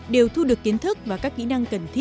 đều thu được kiến thức tài nguyên thiên nhiên công nghệ mới